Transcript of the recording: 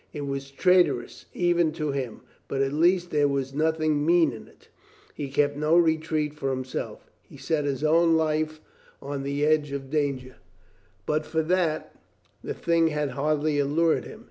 It was traitorous even to him, but at least there was nothing mean in it. He kept no retreat for himself. He set his own life on 340 COLONEL GREATHEART the edge of danger. But for that, the thing had hardly allured him.